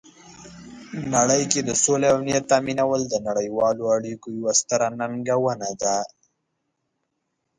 نړۍ کې د سولې او امنیت تامینول د نړیوالو اړیکو یوه ستره ننګونه ده.